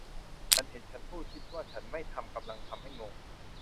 ฉันเห็นฉันพูดคิดว่าฉันไม่ทำกำลังทำให้งง